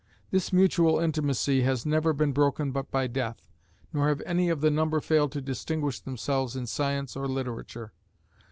This mutual intimacy has never been broken but by death, nor have any of the number failed to distinguish themselves in science or literature.